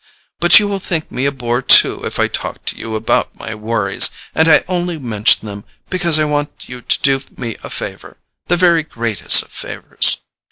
But you will think me a bore too if I talk to you about my worries, and I only mention them because I want you to do me a favour—the very greatest of favours."